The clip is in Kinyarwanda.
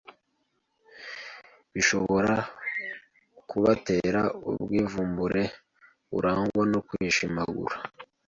bishobora kubatera ubwivumbure burangwa no kwishimagura,